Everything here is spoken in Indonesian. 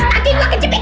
kaki gue kecipit